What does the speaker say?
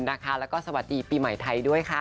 แล้วก็สวัสดีปีใหม่ไทยด้วยค่ะ